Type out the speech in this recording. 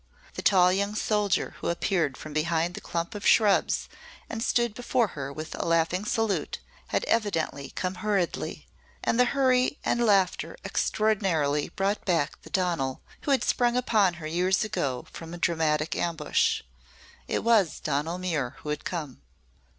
The tall young soldier who appeared from behind the clump of shrubs and stood before her with a laughing salute had evidently come hurriedly. And the hurry and laughter extraordinarily brought back the Donal who had sprung upon her years ago from dramatic ambush. It was Donal Muir who had come.